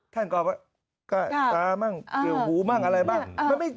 ท่านก็ตาบ้างเกลียวหูบ้างอะไรบ้าง